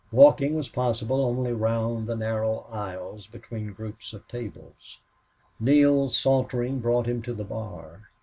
Walking was possible only round the narrow aisles between groups at tables. Neale's sauntering brought him to the bar.